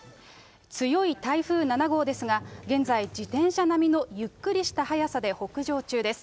強い台風７号ですが、現在、自転車並みのゆっくりした速さで北上中です。